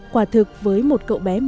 quả thực với một cậu bé võ đăng tín